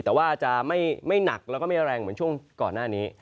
แต่ว่าจะไม่หนักแล้วก็ไม่แรงเหมือนช่วงก่อนหน้านี้